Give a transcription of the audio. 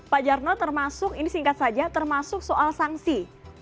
pak jarno termasuk ini singkat saja termasuk soal sanksi